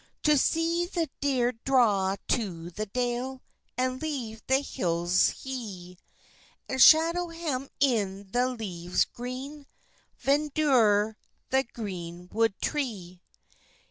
To se the dere draw to the dale, And leve the hilles hee, And shadow hem in the leves grene, Vndur the grene wode tre.